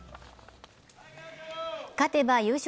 勝てば優勝